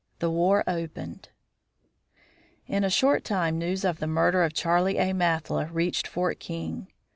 THE WAR OPENED In a short time news of the murder of Charley A. Mathla reached Fort King.